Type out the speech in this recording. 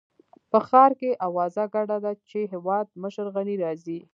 په ښار کې اوازه ګډه ده چې هېوادمشر غني راځي.